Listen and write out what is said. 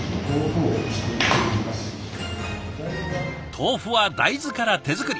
豆腐は大豆から手作り。